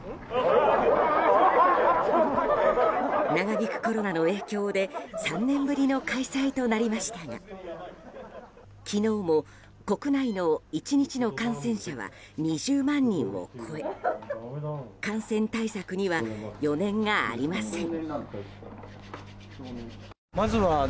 長引くコロナの影響で３年ぶりの開催となりましたが昨日も国内の１日の感染者は２０万人を超え感染対策には余念がありません。